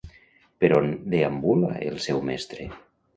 Per on deambula el seu Mestre?